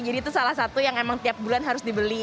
jadi itu salah satu yang emang tiap bulan harus dibeli